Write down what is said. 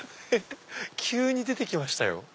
急に出て来ましたよ。